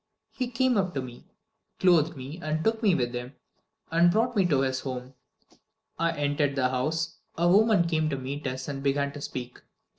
He came up to me, clothed me, took me with him, and brought me to his home. I entered the house; a woman came to meet us and began to speak.